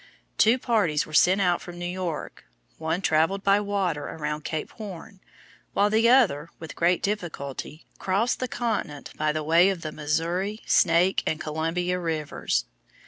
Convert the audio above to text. Two parties were sent out from New York. One travelled by water around Cape Horn, while the other, with great difficulty, crossed the continent by the way of the Missouri, Snake, and Columbia rivers.